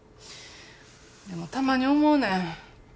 でもたまに思うねん。